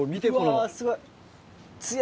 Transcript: うわすごい。